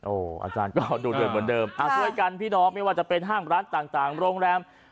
อาจารย์ก็ดูเดือดเหมือนเดิมช่วยกันพี่น้องไม่ว่าจะเป็นห้างร้านต่างโรงแรม